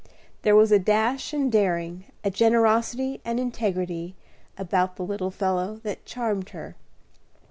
There was a dash and daring, a generosity and integrity, about the little fellow, that charmed her.